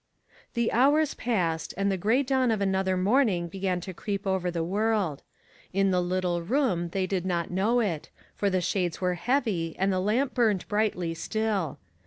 The hours passed, and the gray dawn of another morning began to creep over the world. In the little room they did not know it, for the shades were heavy and the lamp burned brightly still.